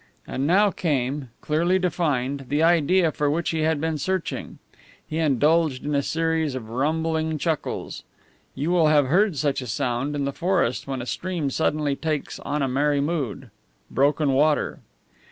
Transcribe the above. And now came, clearly defined, the idea for which he had been searching. He indulged in a series of rumbling chuckles. You will have heard such a sound in the forest when a stream suddenly takes on a merry mood broken water.